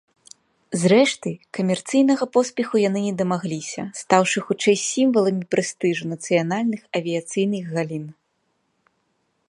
Зрэшты, камерцыйнага поспеху яны не дамагліся, стаўшы хутчэй сімваламі прэстыжу нацыянальных авіяцыйных галін.